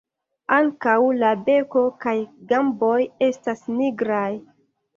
Ankaŭ la beko kaj gamboj estas nigraj.